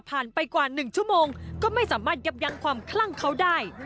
ไปกว่า๑ชั่วโมงก็ไม่สามารถยับยั้งความคลั่งเขาได้